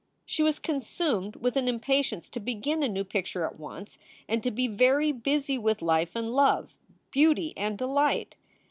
She was consumed with an impatience to begin a new picture at once, and to be very busy with life and love, beauty and delight.